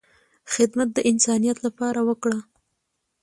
خدمت د انسانیت لپاره وکړه،